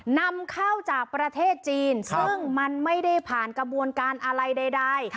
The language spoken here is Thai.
นำเข้าจากประเทศจีนซึ่งมันไม่ได้ผ่านกระบวนการอะไรใด